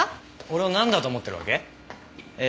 俺をなんだと思ってるわけ？え